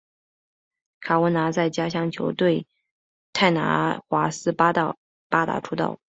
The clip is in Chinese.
卡文拿在家乡球队泰拿华斯巴达出道。